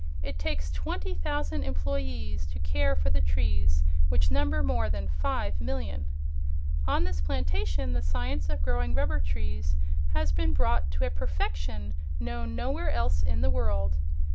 It takes twenty thousand employees to care for the trees, which number more than 5,000,000. On this plantation the science of growing rubber trees has been brought to a perfection known nowhere else in the world.